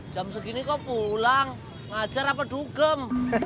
jam segini kok pulang ngajar apa dugem